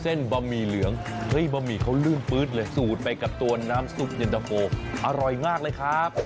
บะหมี่เหลืองเฮ้ยบะหมี่เขาลื่นปื๊ดเลยสูดไปกับตัวน้ำซุปเย็นตะโฟอร่อยมากเลยครับ